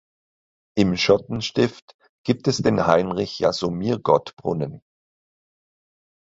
Im Schottenstift gibt es den Heinrich-Jasomirgott-Brunnen.